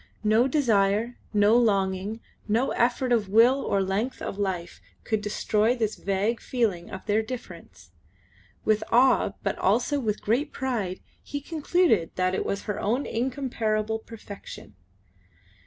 No desire, no longing, no effort of will or length of life could destroy this vague feeling of their difference. With awe but also with great pride he concluded that it was her own incomparable perfection.